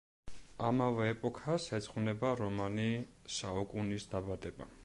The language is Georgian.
ამავე ეპოქას ეძღვნება რომანი „საუკუნის დაბადება“.